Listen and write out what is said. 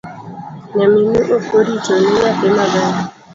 Nyaminu okoritoni nyathi maber.